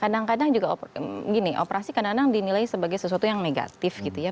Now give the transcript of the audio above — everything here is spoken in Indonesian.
kadang kadang juga gini operasi kadang kadang dinilai sebagai sesuatu yang negatif gitu ya